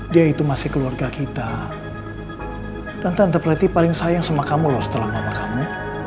dia itu masih keluarga kita dan tante pelatih paling sayang sama kamu loh setelah mama kamu